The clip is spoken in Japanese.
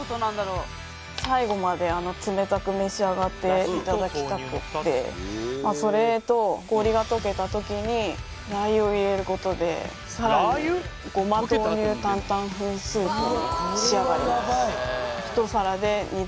最後まで冷たく召し上がっていただきたくってそれと氷がとけた時にラー油を入れることでさらにに仕上がります